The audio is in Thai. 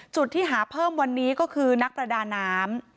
จุดที่หาเพิ่มวันนี้ก็คือนักประดาน้ำ